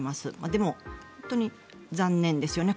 でも、本当に残念ですよね。